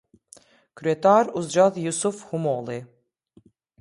Kryetar u zgjodh Jusuf Humolli.